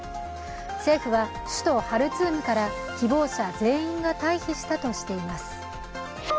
政府は首都ハルツームから希望者全員が退避したとしています。